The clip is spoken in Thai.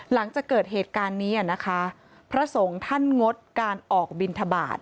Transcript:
หลังจากเกิดเหตุการณ์นี้นะคะพระสงฆ์ท่านงดการออกบินทบาท